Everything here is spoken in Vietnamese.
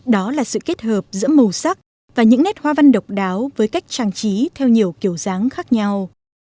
đó là sự kết hợp giữa màu sắc và những nét hoa văn độc đáo với cách trang trí theo nhiều kiểu dáng khác nhau